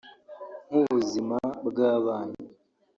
nk’ubuzima bw’abana